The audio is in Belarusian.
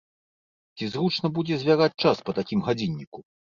Ці зручна будзе звяраць час па такім гадзінніку?